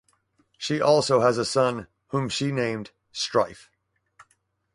She also has a son whom she named Strife.